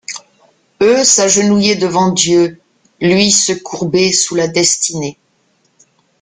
Eux s’agenouillaient devant Dieu, lui se courbait sous la destinée.